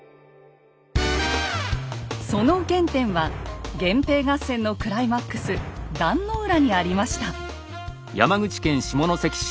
その原点は源平合戦のクライマックス壇の浦にありました。